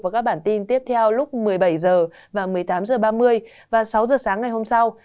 vào các bản tin tiếp theo lúc một mươi bảy h và một mươi tám h ba mươi và sáu h sáng ngày hôm sau